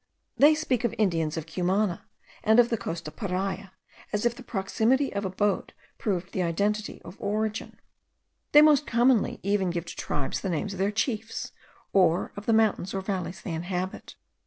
They speak of Indians of Cumana and of the coast of Paria, as if the proximity of abode proved the identity of origin. They most commonly even give to tribes the names of their chiefs, or of the mountains or valleys they inhabit.